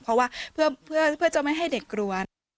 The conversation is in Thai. เพราะว่าเพื่อจะไม่ให้เด็กกลัว